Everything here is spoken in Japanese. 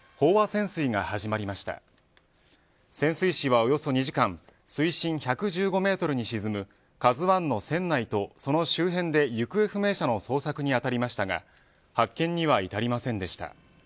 潜水士はおよそ２時間水深１１５メートルに沈むＫＡＺＵ１の船内とその周辺で行方不明者の捜索に当たりましたが発見には至りませんでした。